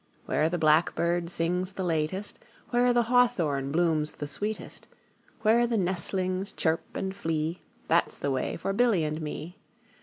Where the blackbird sings the latest, 5 Where the hawthorn blooms the sweetest, Where the nestlings chirp and flee, That 's the way for Billy and me.